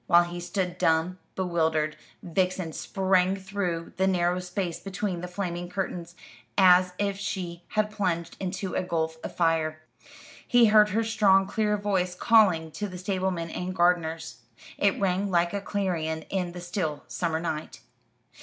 While he stood dumb, bewildered, Vixen sprang through the narrow space between the flaming curtains, as if she had plunged into a gulf of fire. He heard her strong clear voice calling to the stablemen and gardeners. It rang like a clarion in the still summer night.